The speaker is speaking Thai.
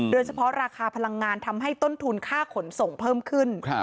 โดยเฉพาะราคาพลังงานทำให้ต้นทุนค่าขนส่งเพิ่มขึ้น